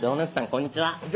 こんにちは。